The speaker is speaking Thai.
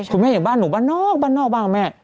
คุณแม่เห็นบ้านหนูบ้านนอกบ้างแม่